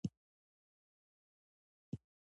امریکا د نفرتونو څخه ډک افغانستان جنتي ډیموکراسي کښېناوه.